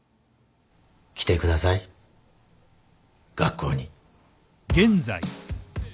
来てください学校に